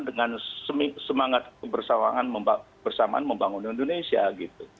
dengan semangat bersamaan membangun indonesia gitu